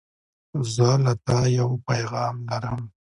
زه له تا یو پیغام لرم.